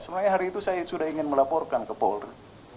sebenarnya hari itu saya sudah ingin melaporkan ke polri